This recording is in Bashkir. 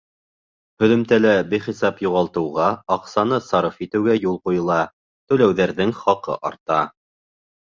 Һөҙөмтәлә бихисап юғалтыуға, аҡсаны сарыф итеүгә юл ҡуйыла, түләүҙәрҙең хаҡы арта.